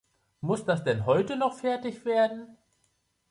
Muß das denn heute noch fertig werden?